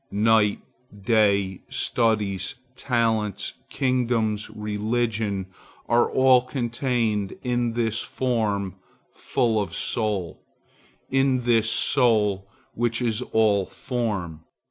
Night, day, studies, talents, kingdoms, religion, are all contained in this form full of soul, in this soul which is all form.